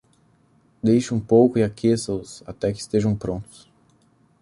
Deixe um pouco e aqueça-os até que estejam prontos.